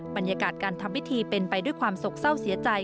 บรรยากาศการทำพิธีเป็นไปด้วยความโศกเศร้าเสียใจ